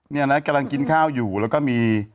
เนี่ยนะกำลังกินข้าวอยู่แล้วก็มี